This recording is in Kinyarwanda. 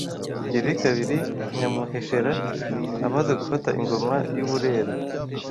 Kigeli II Nyamuheshera amaze gufata Ingoma y’u Burera